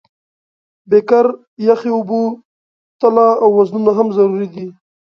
بیکر، یخې اوبه، تله او وزنونه هم ضروري دي.